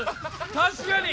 確かに。